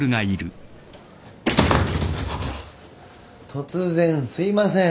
突然すいません。